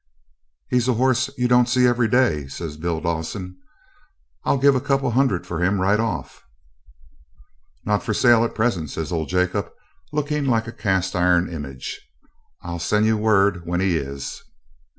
'He's a horse you don't see every day,' says Bill Dawson. 'I'll give a couple of hundred for him right off.' 'Not for sale at present,' says old Jacob, looking like a cast iron image. 'I'll send ye word when he is.'